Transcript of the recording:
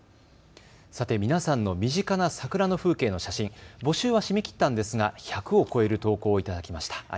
さて皆さんの身近な桜の風景の写真、募集は締め切ったんですが、１００を超える投稿をいただきました。